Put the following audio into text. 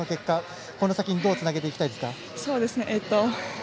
この先、どうつなげていきたいですか？